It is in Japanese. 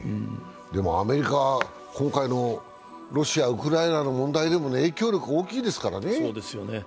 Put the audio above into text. アメリカは今回のロシアウクライナの問題でも影響力が大きいですからね。